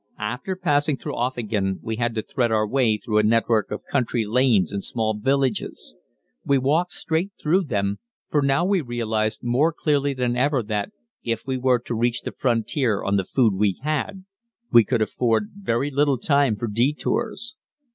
After passing through Offingen we had to thread our way through a network of country lanes and small villages. We walked straight through them, for we now realized more clearly than ever that, if we were to reach the frontier on the food we had, we could afford very little time for detours.